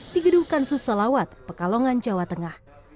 di gedung kansus salawat pekalongan jawa tengah